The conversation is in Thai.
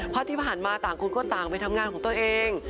เพราะที่ผ่านมาต่างคนก็ต่างไปทำงานของตัวเอง